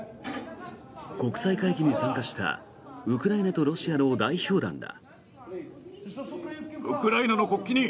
国際会議に参加したウクライナとロシアの代表団だ。